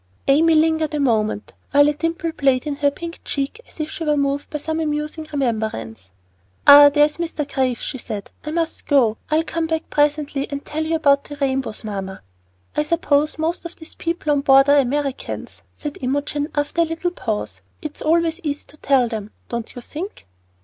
Amy lingered a moment, while a dimple played in her pink cheek as if she were moved by some amusing remembrance. "Ah, there's Mr. Graves," she said. "I must go. I'll come back presently and tell you about the rainbows, mamma." "I suppose most of these people on board are Americans," said Imogen after a little pause. "It's always easy to tell them, don't you think?"